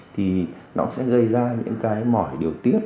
thì nó sẽ gây ra những cái mỏi điều tiết